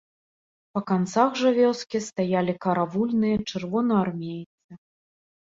Па канцах жа вёскі стаялі каравульныя чырвонаармейцы.